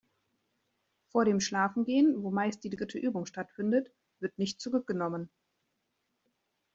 Vor dem Schlafengehen, wo meist die dritte Übung stattfindet, wird nicht zurückgenommen.